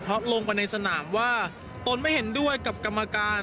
เพราะลงไปในสนามว่าตนไม่เห็นด้วยกับกรรมการ